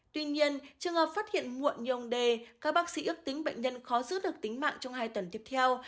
tuy nhiên trường hợp phát hiện muộn như ông đề các bác sĩ ước tính bệnh nhân khó giữ được tính mạng trong hai tuần tiếp theo